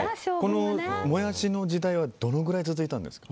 もやしの時代はどのくらい続いたんですか？